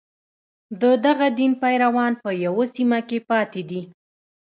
د دغه دین پیروان په یوه سیمه کې پاتې دي.